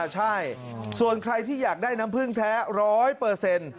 ใช่ส่วนใครที่อยากได้น้ำพึ่งแท้ร้อยเปอร์เซ็นต์